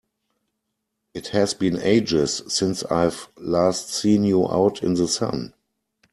It has been ages since I've last seen you out in the sun!